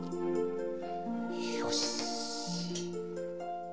よし。